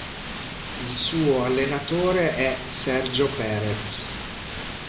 Il suo allenatore è Sergio Perez.